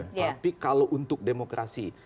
tapi kalau untuk demokrasi